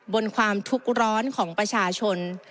บนความทุกข์ร้อนของประชาชน